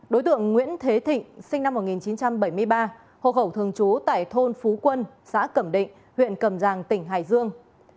đối tượng nguyễn thế thịnh sinh năm một nghìn chín trăm bảy mươi ba hộ khẩu thường trú tại thôn phú quân xã cẩm định huyện cầm giang tỉnh hải dương